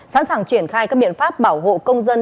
sẵn sàng triển khai các biện pháp bảo hộ công dân